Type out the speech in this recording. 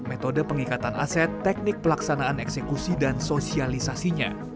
metode pengikatan aset teknik pelaksanaan eksekusi dan sosialisasinya